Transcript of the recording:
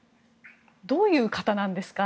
どういう方なんですか？